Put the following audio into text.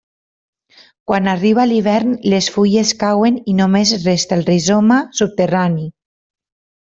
Quan arriba l'hivern les fulles cauen i només resta el rizoma subterrani.